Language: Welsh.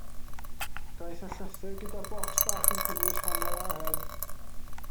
Daeth y llythyr gyda bocs bach yn cynnwys hanner aren.